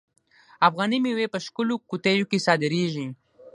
افغاني میوې په ښکلو قطیو کې صادریږي.